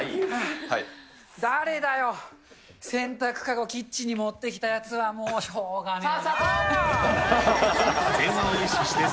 誰だよ、洗濯籠キッチンに持ってきたやつは、もう、しょうがねえな。